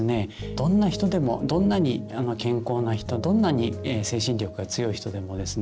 どんな人でもどんなに健康な人どんなに精神力が強い人でもですね